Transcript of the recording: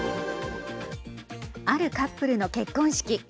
あるカップルの結婚式。